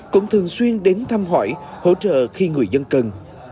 cũng thường xuyên đến thăm hỏi hỗ trợ khi người dân cần